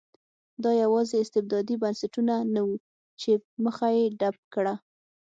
دا یوازې استبدادي بنسټونه نه وو چې مخه یې ډپ کړه.